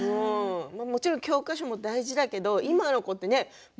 もちろん教科書も大事だけど今の子ってね